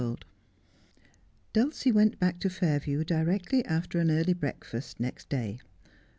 Dulcie went back to Fairview directly after an early breakfast next day.